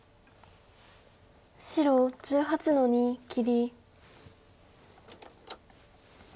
白１８の二切り。